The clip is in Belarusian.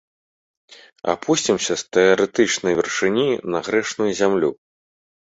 Апусцімся з тэарэтычнай вяршыні на грэшную зямлю.